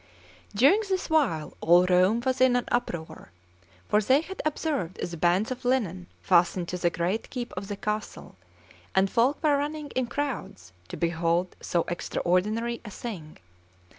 CXI DURING this while all Rome was in an uproar; for they had observed the bands of linen fastened to the great keep of the castle, and folk were running in crowds to behold so extraordinary a thing.